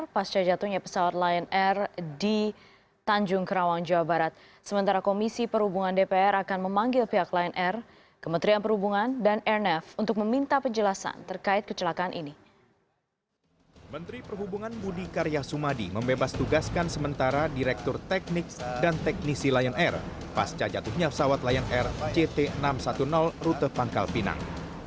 pasca jatuhnya pesawat lion air ct enam ratus sepuluh rute pangkal pinang